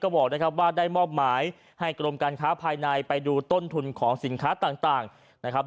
บอกนะครับว่าได้มอบหมายให้กรมการค้าภายในไปดูต้นทุนของสินค้าต่างนะครับ